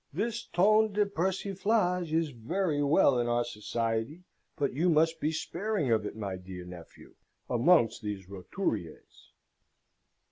This ton de persiflage is very well in our society, but you must be sparing of it, my dear nephew, amongst these roturiers."